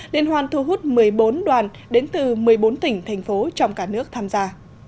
liên hoan thu hút một mươi bốn đoàn đến từ một mươi bốn tỉnh thành phố trong cả nước tham gia